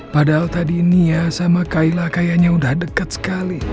padahal tadi nia sama kaila kayaknya udah deket sekali